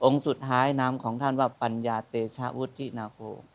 องค์สุดท้ายน้ำของท่านว่าปัญญาเตชะวุฒิทินโก